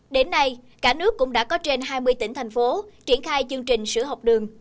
đến nay cả nước cũng đã có trên hai mươi tỉnh thành phố triển khai chương trình sữa học đường